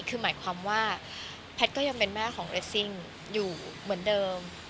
คือหมายความว่าแพทย์ก็ยังเป็นแม่ของเรสซิ่งอยู่เหมือนเดิม